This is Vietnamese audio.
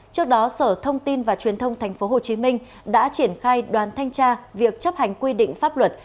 trước đó sở thông tin và truyền thông tp hcm đã triển khai đoàn thanh tra việc chấp hành quy định pháp luật